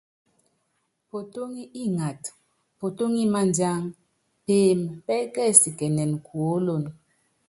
Potóŋi ingata, potóŋi madjang, peeme pɛ́kɛsikɛnɛn kuólono.